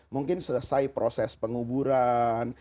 mungkin selesai proses penguburan